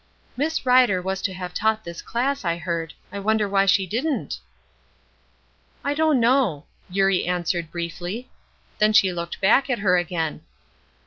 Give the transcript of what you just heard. "Miss Rider was to have taught this class, I heard. I wonder why she didn't?" "I don't know," Eurie answered, briefly. Then she looked back at her again.